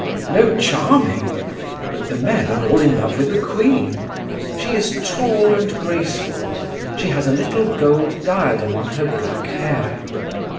"No, charming. But the men are all in love with the queen. She is tall and graceful; she has a little gold diadem on her black hair."